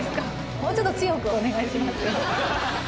もうちょっと強くお願いします。